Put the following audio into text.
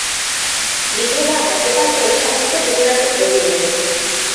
বিধবা আদ্যোপান্ত সমস্ত বৃত্তান্ত কহিলেন।